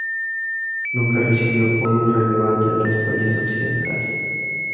Nunca recibió apoyo relevante de los países occidentales.